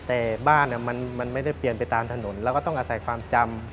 แต่บ้านมันไม่ได้เปลี่ยนไปตามถนนแล้วก็ต้องอาศัยความจำ